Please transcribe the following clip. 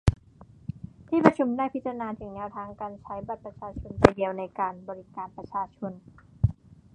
ที่ประชุมได้พิจาณาถึงแนวทางการใช้บัตรประชาชนใบเดียวในการบริการประชาชน